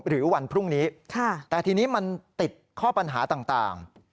หรือวันพรุ่งนี้แต่ทีนี้มันติดข้อปัญหาต่าง